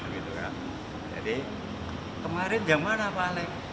jadi kemarin yang mana pak alex